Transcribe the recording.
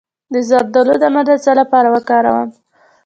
د زردالو دانه د څه لپاره وکاروم؟